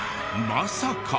まさか。